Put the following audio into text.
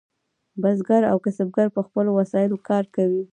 بزګر او کسبګر په خپلو وسایلو کار کوي.